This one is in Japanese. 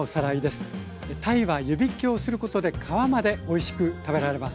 鯛は湯びきをすることで皮までおいしく食べられます。